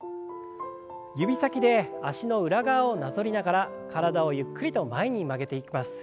指先で脚の裏側をなぞりながら体をゆっくりと前に曲げていきます。